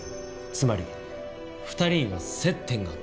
つまり２人には接点があった。